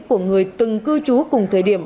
của người từng cư trú cùng thời điểm